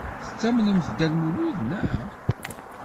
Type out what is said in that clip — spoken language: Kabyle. Tettamnemt Dda Lmulud, naɣ?